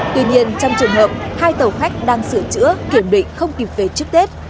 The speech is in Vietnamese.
tuy nhiên trong trường hợp hai tàu khách đang sửa chữa kiểm định không kịp về trước tết